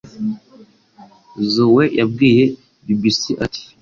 Zoe yabwiye BBC ati